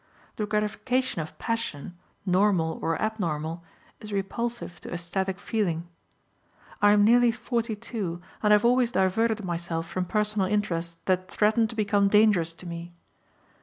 The gratification of passion normal or abnormal is repulsive to esthetic feeling. I am nearly 42 and I have always diverted myself from personal interests that threatened to become dangerous to me.